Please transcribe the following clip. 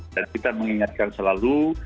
dan kita mengingatkan selalu